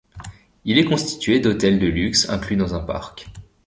Il est constitué d'hôtels de luxe inclus dans un parc.